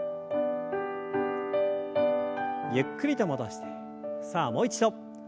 ゆっくりと戻してさあもう一度。